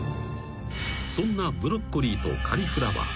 ［そんなブロッコリーとカリフラワー］